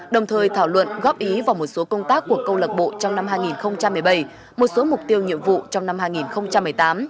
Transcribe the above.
đồng thời thảo luận góp ý vào một số công tác của câu lạc bộ trong năm hai nghìn một mươi bảy một số mục tiêu nhiệm vụ trong năm hai nghìn một mươi tám